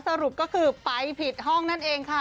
สรุปก็คือไปผิดห้องนั่นเองค่ะ